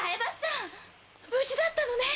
香：無事だったのね！